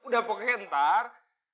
udah pokoknya ntar